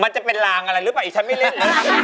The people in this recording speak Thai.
มันจะเป็นลางอะไรหรือเปล่าอีกชั้นไม่เล่น